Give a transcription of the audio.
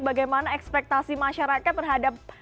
bagaimana ekspektasi masyarakat terhadap